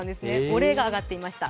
お礼が上っていました。